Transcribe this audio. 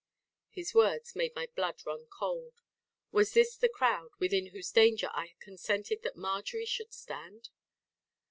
His words made my blood run cold. Was this the crowd, within whose danger I had consented that Marjory should stand.